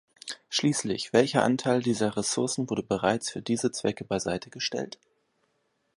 Schließlich, welcher Anteil dieser Ressourcen wurde bereits für diese Zwecke beiseite gestellt?